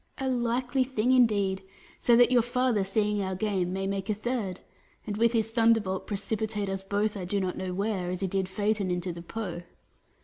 Atlas. A likely thing indeed ! So that your father seeing our game, may make a third, and with his thunderbolt precipitate us both I do not know where, as he did Phaeton into the Po